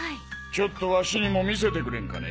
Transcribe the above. ちょっとわしにも見せてくれんかね？